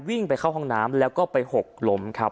พระเจ้าอาวาสกันหน่อยนะครับ